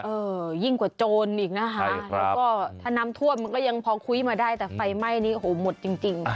ยิ่งกว่าโจรอีกนะคะแล้วก็ถ้าน้ำท่วมมันก็ยังพอคุ้ยมาได้แต่ไฟไหม้นี้โหหมดจริง